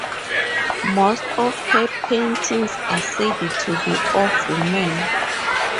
Most of her paintings are said to be of women.